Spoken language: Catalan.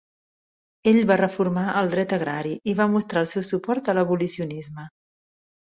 Ell va reformar el dret agrari i va mostrar el seu suport a l'abolicionisme.